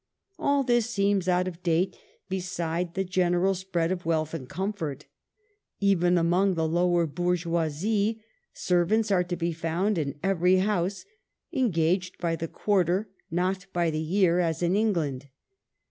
All this seems out of date be side the general spread of wealth and comfort. Even among the lower bourgeoisie, servants are to be found in every house, — engaged by the quarter, not by the year as in England.